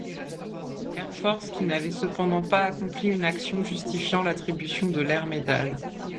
Air Force qui n’avaient cependant pas accompli une action justifiant l’attribution de l’Air Medal.